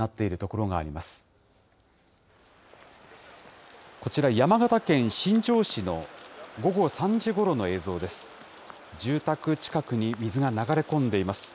こちら、山形県新庄市の午後３時ごろの映像です。